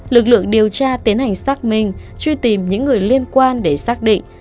lực lượng điều tra tiến hành xác minh truy tìm những người liên quan để xác định